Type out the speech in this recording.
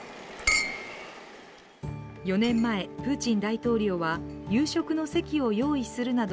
４年前、プーチン大統領は夕食の席を用意するなど